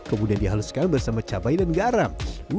kemudian dihaluskan bersama cabai dan garam